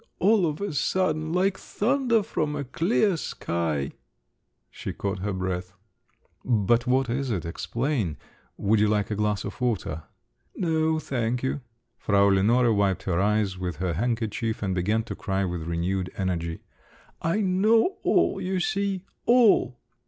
All of a sudden, like thunder from a clear sky …" She caught her breath. "But what is it? Explain! Would you like a glass of water?" "No, thank you." Frau Lenore wiped her eyes with her handkerchief and began to cry with renewed energy. "I know all, you see! All!"